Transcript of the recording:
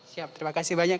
siap terima kasih banyak